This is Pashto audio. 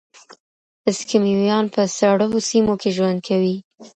اسکیمویان په سړو سیمو کې ژوند کوي.